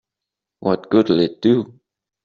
What good'll it do?